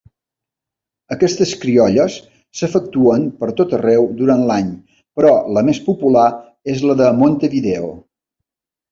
Aquestes criolles s'efectuen pertot arreu durant l'any, però la més popular és la de Montevideo.